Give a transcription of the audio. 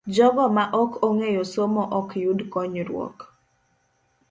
Jogo ma ok ong'eyo somo ok yud konyruok.